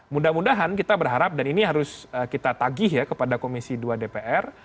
mudah mudahan kita berharap dan ini harus kita tagih ya kepada komisi dua dpr